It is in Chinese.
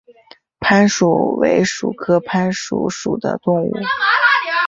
攀鼠为鼠科攀鼠属的动物。